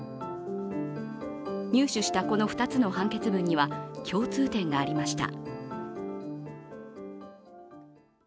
入手したこの２つの判決文には共通点がありました。